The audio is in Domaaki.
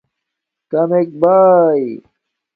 کامک باݵ